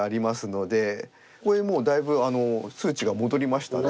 これもうだいぶ数値が戻りましたね。